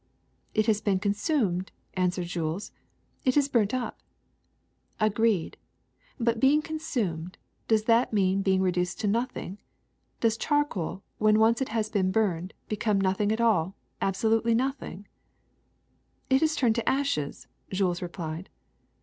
*' It has been consumed,'' answered Jules; ^*it is burnt up.'* ^^ Agreed. But being consumed — does that mean being reduced to nothing? Does charcoal, when once it has been burned, become nothing at all, abso lutely nothing ?'' *^It has turned to ashes,'' Jules replied.